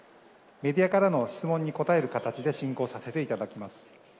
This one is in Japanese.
メディアからの質問に答える形で進行させていただきます。